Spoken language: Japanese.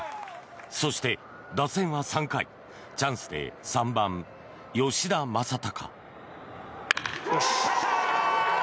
そして、打線は３回チャンスで３番、吉田正尚。